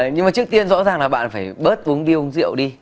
nhưng mà trước tiên rõ ràng là bạn phải bớt uống bia uống rượu đi